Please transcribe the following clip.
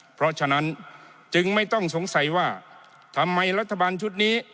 เพราะฉะนั้นจึงไม่ต้องสงสัยว่าทำไมรัฐบาลชุดนี้